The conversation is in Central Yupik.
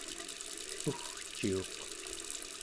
pugciuq